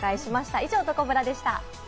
以上、どこブラでした。